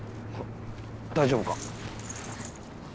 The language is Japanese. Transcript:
大丈夫か？